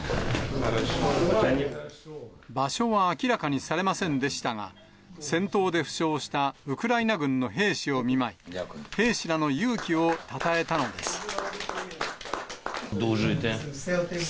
場所は明らかにされませんでしたが、戦闘で負傷したウクライナ軍の兵士を見舞い、兵士らの勇気をたたえたのです。